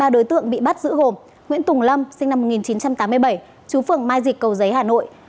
ba đối tượng bị bắt giữ gồm nguyễn tùng lâm sinh năm một nghìn chín trăm tám mươi bảy chú phường mai dịch cầu giấy hà nội